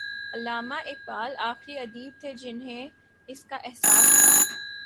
علامہ اقبال آخری ادیب تھے جنہیں اس کا احساس تھا۔